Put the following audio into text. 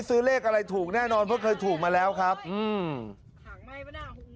ซื้อเลขอะไรถูกแน่นอนเพราะเคยถูกมาแล้วครับอืม